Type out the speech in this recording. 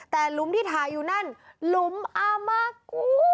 แต่หลุมที่ถ่ายอยู่นั่นหลุมอามะกู